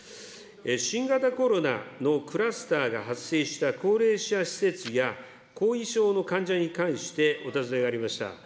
新型コロナのクラスターが発生した高齢者施設や、後遺症の患者に関してお尋ねがありました。